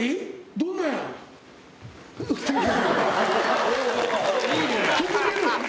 どんなや？